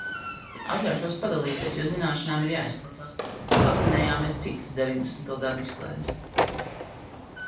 Atļaušos padalīties, jo zināšanām ir jāizplatās. Atminējāmies citas deviņdesmito gadu izklaides.